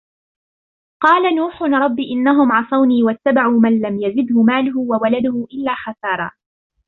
قَالَ نُوحٌ رَبِّ إِنَّهُمْ عَصَوْنِي وَاتَّبَعُوا مَنْ لَمْ يَزِدْهُ مَالُهُ وَوَلَدُهُ إِلَّا خَسَارًا